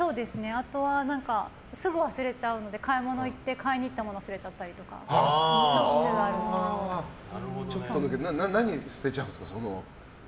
あとは、すぐ忘れちゃうので買い物行って、買いに行ったまま忘れちゃったりとか何を捨てちゃうんですか？